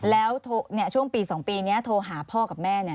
แล้วช่วงปี๒ปีนี้โทรหาพ่อกับแม่เนี่ย